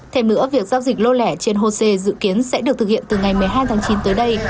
thêm nữa việc giao dịch lô lẻ trên hosea dự kiến sẽ được thực hiện từ ngày một mươi hai tháng chín tới đây